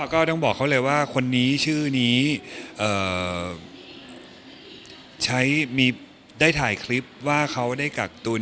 ก็บอกเค้าเลยว่าคนนี้ชื่อนี้ได้ถ่ายคลิปว่าเค้าได้กากตุ้น